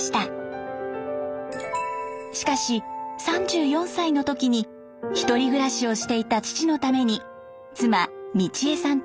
しかし３４歳の時に１人暮らしをしていた父のために妻美千枝さんとともに島に戻りました。